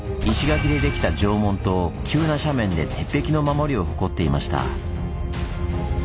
石垣でできた城門と急な斜面で鉄壁の守りを誇っていました。